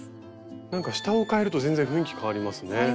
なんか下をかえると全然雰囲気変わりますね。